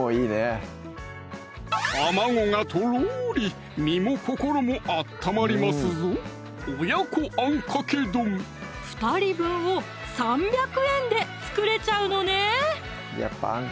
卵がとろり身も心も温まりますぞ２人分を３００円で作れちゃうのね